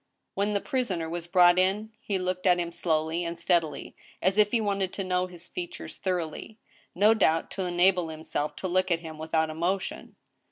When the prisoner was brought in, he looked at him slowly and steadily, as if he wanted to know his features thoroughly, no doubt to enable himself to look at him without emotion.